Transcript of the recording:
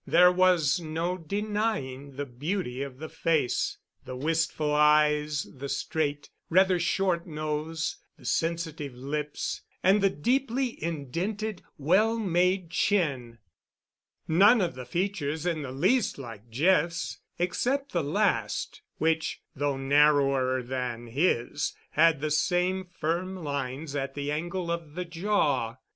There was no denying the beauty of the face, the wistful eyes, the straight, rather short nose, the sensitive lips, and the deeply indented, well made chin—none of the features in the least like Jeff's except the last, which, though narrower than his, had the same firm lines at the angle of the jaw.